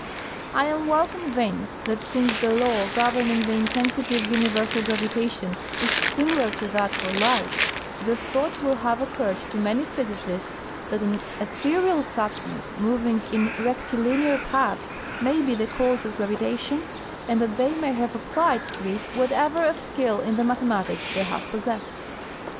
Iam well convinced that since the law governing the intensity of universal gravitation is similar to that for light, the thought will have occurred to many physicists that an ethereal substance moving in rectilinear paths may be the cause of gravitation, and that they may have applied to it whatever of skill in the mathematics they have possessed.